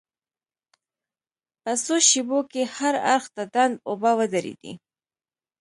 په څو شېبو کې هر اړخ ته ډنډ اوبه ودرېدې.